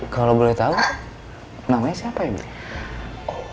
kalo boleh tau namanya siapa ya